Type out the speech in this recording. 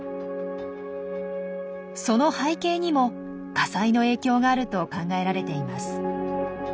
その背景にも火災の影響があると考えられています。